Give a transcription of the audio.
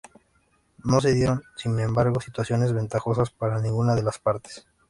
No se dieron, sin embargo, situaciones ventajosas para ninguna de las partes.